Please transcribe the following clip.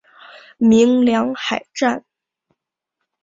鸣梁海战